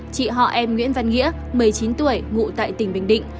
chị họ em nguyễn văn nghĩa một mươi chín tuổi ngụ tại tỉnh bình định